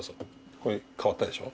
これ変わったでしょ？